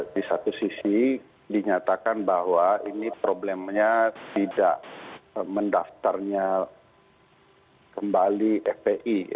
di satu sisi dinyatakan bahwa ini problemnya tidak mendaftarnya kembali fpi